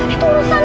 itu urusan lo